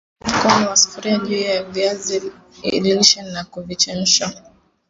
Weka mfuniko wa sufuria juu ya viazi lishe na kuvichemsha